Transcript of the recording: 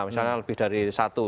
misalnya lebih dari satu